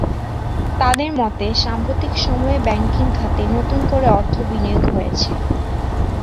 তাঁদের মতে, সাম্প্রতিক সময়ে ব্যাংকিং খাতে নতুন করে অর্থ বিনিয়োগ হয়েছে।